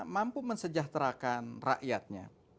mampu mensejahterakan rakyatnya